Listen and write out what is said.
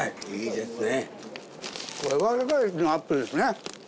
いいですね。